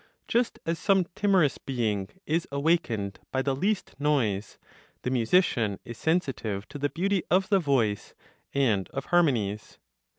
Just as some timorous being is awakened by the least noise, the musician is sensitive to the beauty of the voice and of harmonies.